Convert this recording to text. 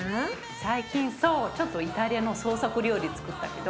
最近そうちょっとイタリアの創作料理つくったけど。